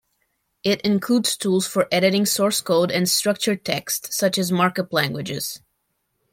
It includes tools for editing source code and structured text such as markup languages.